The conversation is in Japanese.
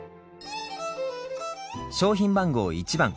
商品番号１番。